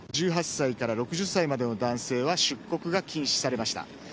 １８歳から６０歳までの男性は出国が禁止されました。